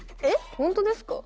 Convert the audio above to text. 本当ですか。